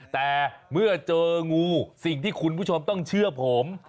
แต่เมื่อเจองูสิ่งที่คุณผู้ชมต้องเชื่อผม